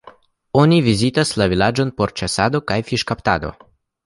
Oni vizitas la vilaĝon por ĉasado kaj fiŝkaptado.